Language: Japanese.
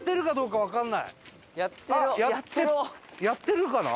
やってるかな？